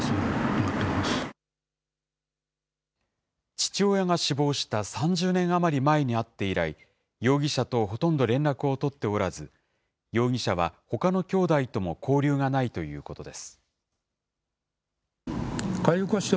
父親が死亡した３０年余り前に会って以来、容疑者とほとんど連絡を取っておらず、容疑者は、ほかのきょうだいとも交流がないということです。